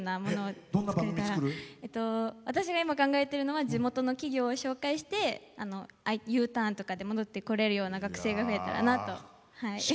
私が今、考えているのは地元の企業を紹介してＵターンとかで戻ってこれるような学生が増えたらなと。